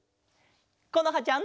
このはちゃん。